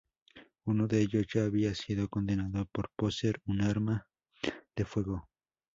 Uno de ellos ya había sido condenado por poseer un arma de fuego.